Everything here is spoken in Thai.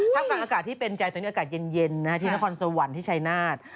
กลางอากาศที่เป็นใจตอนนี้อากาศเย็นที่นครสวรรค์ที่ชายนาฏ